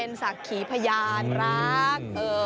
เป็นสักขีพญานรัก